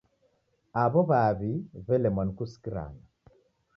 Aw'o w'aw'I w'elemwa ni kusikirana.